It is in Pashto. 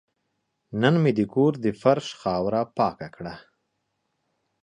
نن مې د کور د فرش خاوره پاکه کړه.